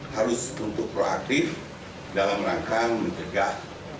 harus untuk proaktif dalam rangka mencegah